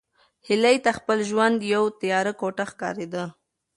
هیلې ته خپل ژوند یوه تیاره کوټه ښکارېده.